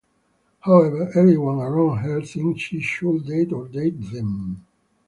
However, everyone around her thinks she should date or date them.